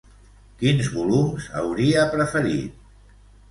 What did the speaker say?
Quins volums hauria preferit?